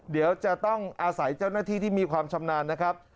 เดี๋ยวจะต้องอาศัยเจ้าหน้าที่ที่มีความชำนาญนะครับ